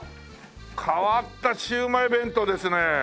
変わったシウマイ弁当ですね。